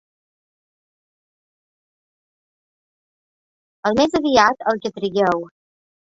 Al més aviat, el que trigueu.